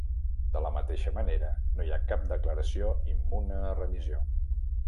De la mateixa manera, no hi ha cap declaració immune a revisió.